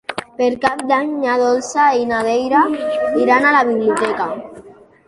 Per Cap d'Any na Dolça i na Neida iran a la biblioteca.